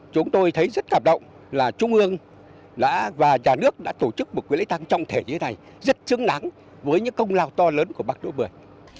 chúng tôi thấy rất cảm động là trung ương đã và nhà nước đã tổ chức một cái lễ tang trọng thể như thế này rất chứng đáng với những công lao to lớn của bác đỗ mười